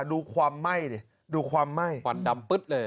ดูความไหม้ดิดูความไหม้ควันดำปึ๊ดเลย